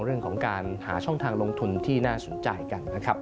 เรื่องของการหาช่องทางลงทุนที่น่าสนใจกันนะครับ